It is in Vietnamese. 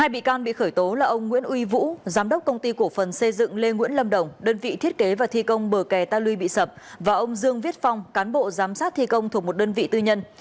hai bị can bị khởi tố là ông nguyễn uy vũ giám đốc công ty cổ phần xây dựng lê nguyễn lâm đồng đơn vị thiết kế và thi công bờ kè ta luy bị sập và ông dương viết phong cán bộ giám sát thi công thuộc một đơn vị tư nhân